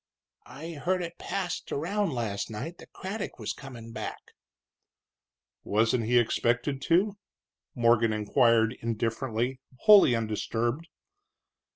"I heard it passed around late last night that Craddock was comin' back." "Wasn't he expected to?" Morgan inquired, indifferently, wholly undisturbed.